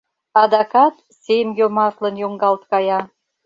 Адакат сем йомартлын йоҥгалт кая.